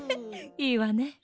いいわね。